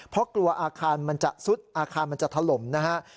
เพราะกลัวอาคารมันจะซุดอาคารมันจะถล่มนะฮะ